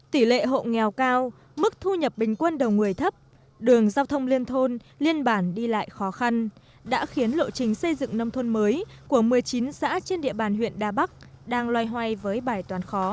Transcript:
tỷ lệ hộ nghèo cao mức thu nhập bình quân đầu người thấp đường giao thông liên thôn liên bản đi lại khó khăn đã khiến lộ trình xây dựng nông thôn mới của một mươi chín xã trên địa bàn huyện đà bắc đang loay hoay với bài toán khó